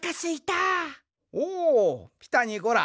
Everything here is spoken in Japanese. おおピタにゴラ。